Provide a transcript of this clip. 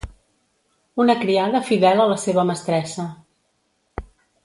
Una criada fidel a la seva mestressa.